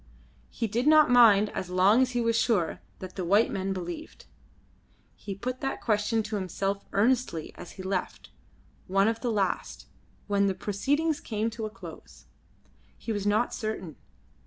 He did not mind as long as he was sure, that the white men believed. He put that question to himself earnestly as he left, one of the last, when the proceedings came to a close. He was not certain.